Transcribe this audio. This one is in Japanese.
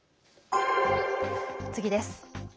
次です。